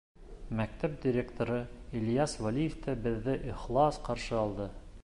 Мәктәп директоры Ильяс Вәлиев тә беҙҙе ихлас ҡаршы алды.